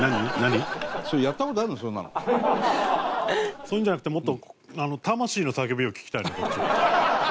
そういうのじゃなくてもっと魂の叫びを聞きたいのよこっちは。